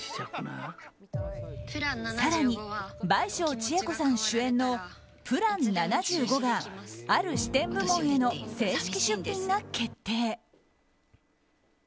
更に、倍賞千恵子さん主演の「ＰＬＡＮ７５」がある視点部門への正式出品が決定。